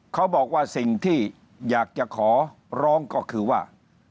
เขาบอกว่าสิ่งที่อยากจะขอร้องก็คือว่า